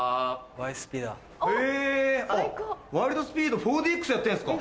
『ワイルド・スピード』４ＤＸでやってるんですか？